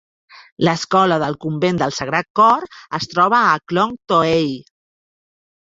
L'Escola del Convent del Sagrat Cor es troba a Khlong Toei.